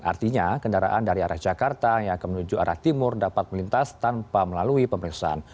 artinya kendaraan dari arah jakarta yang akan menuju arah timur dapat melintas tanpa melalui pemeriksaan